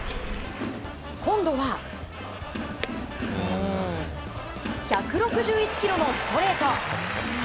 今度は、１６１キロのストレート。